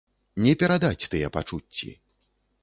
Не перадаць тыя пачуцці.